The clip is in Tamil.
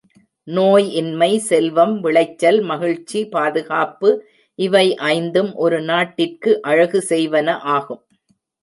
நோய் இன்மை, செல்வம், விளைச்சல், மகிழ்ச்சி, பாதுகாப்பு இவை ஐந்தும் ஒரு நாட்டிற்கு அழகு செய்வன ஆகும்.